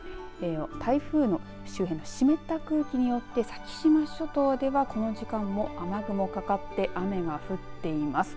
台風の周辺の湿った空気によって先島諸島では、この時間も雨雲かかって雨が降っています。